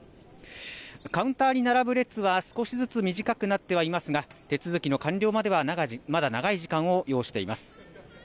カウンターに並ぶ列は少しずつ短くなってはいますが手続きの完了まではまだ長い時間を要しています。